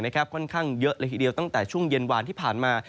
ค่อนข้างเยอะเลยทีเดียวตั้งแต่ช่วงเย็นวานที่ผ่านมา